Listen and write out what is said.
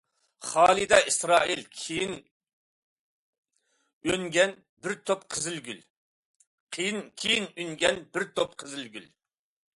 خالىدە ئىسرائىل كېيىن ئۈنگەن بىر تۈپ قىزىل گۈل.